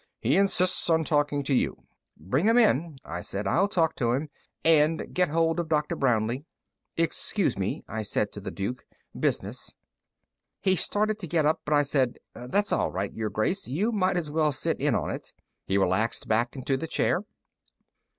He insists on talking to you." "Bring him in," I said. "I'll talk to him. And get hold of Dr. Brownlee." "Excuse me," I said to the Duke. "Business." He started to get up, but I said, "That's all right, Your Grace; you might as well sit in on it." He relaxed back into the chair.